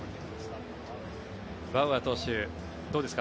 バウアー投手どうですか？